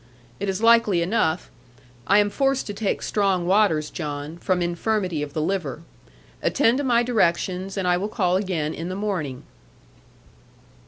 It is likely enough: I am forced to take strong waters, John, from infirmity of the liver. Attend to my directions; and I will call again in the morning.'